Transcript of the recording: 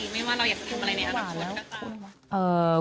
ไม่ว่าเราอยากจะทำอะไรในอนาคตก็จ้า